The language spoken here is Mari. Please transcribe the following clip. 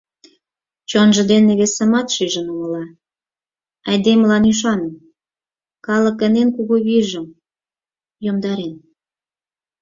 Чонжо дене весымат шижын умыла: айдемылан ӱшаным, калыкын эн кугу вийжым, йомдарен.